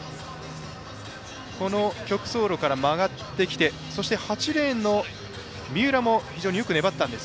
この曲走路から曲がってきてそして、８レーンの三浦も非常に粘りました。